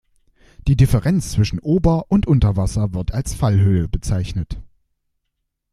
Die Differenz zwischen Ober- und Unterwasser wird als Fallhöhe bezeichnet.